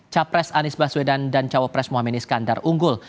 capres anies baswedan dan cawapres mohamad iskandar unggul